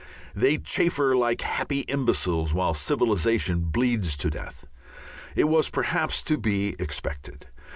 They chaffer like happy imbeciles while civilization bleeds to death. It was perhaps to be expected.